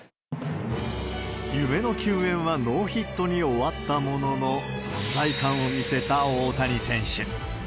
夢の球宴はノーヒットに終わったものの、存在感を見せた大谷選手。